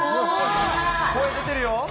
声出てるよ。